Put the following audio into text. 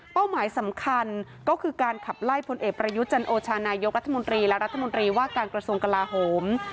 หมายสำคัญก็คือการขับไล่พลเอกประยุทธ์จันโอชานายกรัฐมนตรีและรัฐมนตรีว่าการกระทรวงกลาโหม